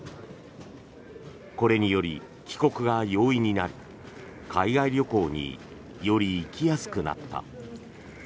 これにより、帰国が容易になり海外旅行により行きやすくなった。